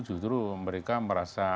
justru mereka merasa